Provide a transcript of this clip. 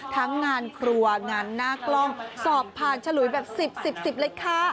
ทั้งงานครัวงานหน้ากล้องสอบผ่านฉลุยแบบ๑๐๑๐๑๐เลยค่ะ